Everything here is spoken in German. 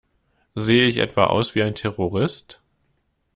Sehe ich etwa aus wie ein Terrorist?